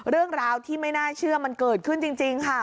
เรื่องราวที่ไม่น่าเชื่อมันเกิดขึ้นจริงค่ะ